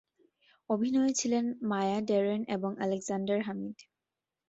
অভিনয়ে ছিলেন Maya Deren এবং আলেক্সান্ডার হামিদ।